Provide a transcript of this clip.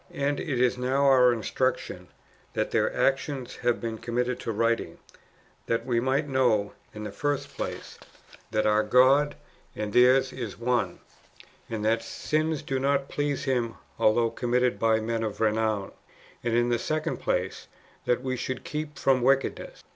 And it is for our instruction that their actions have been com mitted to w^riting, that we might know, in the first place, that our God and theirs is one, and that sins do not please Him although committed by men of renown ; and in the second place, that we should keep from wickedness.